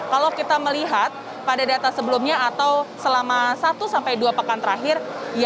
kalau kita melihat pada data sebelumnya atau selama satu sampai dua pekan terakhir